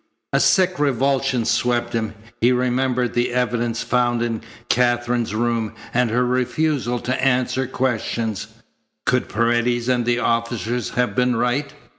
A sick revulsion swept him. He remembered the evidence found in Katherine's room, and her refusal to answer questions. Could Paredes and the officers have been right?